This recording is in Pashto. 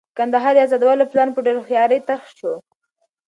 د کندهار د ازادولو پلان په ډېره هوښیارۍ طرح شو.